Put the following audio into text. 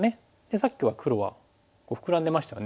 さっきは黒はフクラんでましたよね。